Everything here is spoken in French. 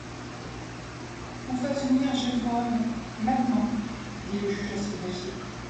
Qu'on fasse venir Gévrol, maintenant, dit le juge à son greffier.